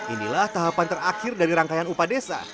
inilah tahapan terakhir dari rangkaian upadesa